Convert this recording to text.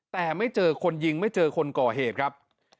แต่ไม่เจอคนยิงไม่เจอคนก่อเหตุครับ